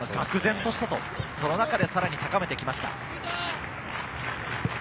愕然としたと、その中でさらに高めてきました。